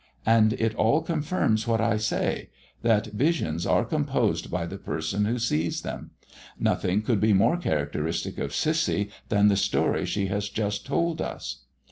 And it all confirms what I say: that visions are composed by the person who sees them. Nothing could be more characteristic of Cissy than the story she has just told us."